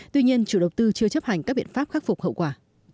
tuy nhiên chủ đầu tư chưa chấp hành các biện pháp khắc phục hậu quả